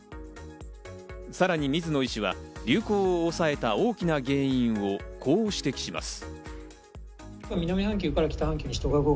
さらに水野医師は流行を抑えた大きな原因をこう指摘します。